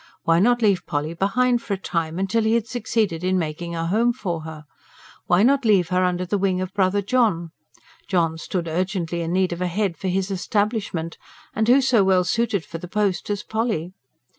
Why not leave Polly behind for a time, until he had succeeded in making a home for her? why not leave her under the wing of brother John? John stood urgently in need of a head for his establishment, and who so well suited for the post as Polly?